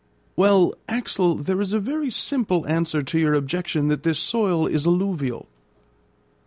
"Well, Axel, there is a very simple answer to your objection that this soil is alluvial."